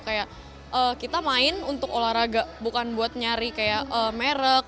kita main untuk olahraga bukan buat nyari kayak merek